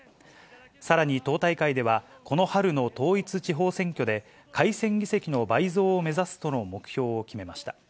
さらに党大会では、この春の統一地方選挙で、改選議席の倍増を目指すとの目標を決めました。